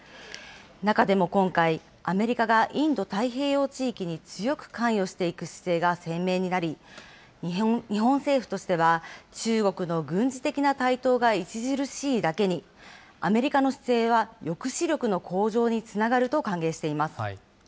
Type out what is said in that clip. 中でも今回、アメリカがインド太平洋地域に強く関与していく姿勢が鮮明になり、日本政府としては、中国の軍事的な台頭が著しいだけに、アメリカの姿勢は抑止力の向上につながると歓迎しています。